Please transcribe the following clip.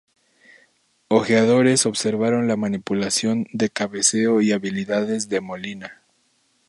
Ojeadores observaron la manipulación de cabeceo y habilidades de Molina.